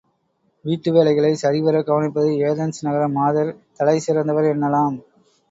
வீட்டு வேலைகளைச் சரிவரக் கவனிப்பதில் ஏதென்ஸ் நகர மாதர் தலை சிறந்தவர் என்னலாம்.